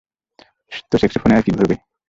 তো সেক্সোফোনে আর কী ভরবে?